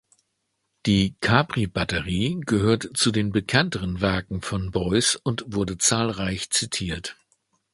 Die "Capri-Batterie" gehört zu den bekannteren Werken von Beuys und wurde zahlreich zitiert.